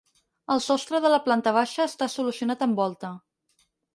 El sostre de la planta baixa està solucionat amb volta.